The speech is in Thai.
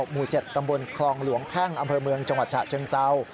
หมู่๗ตำบลคลองหลวงแพ่งอำเภอเมืองจังหวัดฉะเชิงเศร้า